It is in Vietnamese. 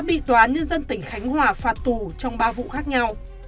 bán nhân dân tỉnh khánh hòa phạt tù trong ba vụ khác nhau